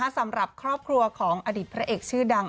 สำหรับครอบครัวของอดีตพระเอกชื่อดัง